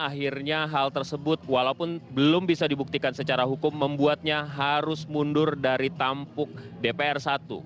akhirnya hal tersebut walaupun belum bisa dibuktikan secara hukum membuatnya harus mundur dari tampuk dpr satu